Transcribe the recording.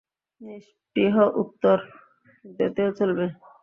নিঃস্পৃহ উত্তর, কিন্তু এতেও চলবে।